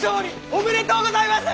おめでとうございます！